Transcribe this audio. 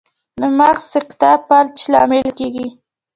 د مغز سکته فلج لامل کیږي